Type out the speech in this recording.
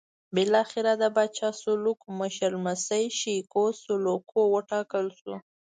بالاخره د پاچا سلوکو مشر لمسی شېکو سلوکو وټاکل شو.